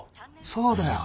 そうだよ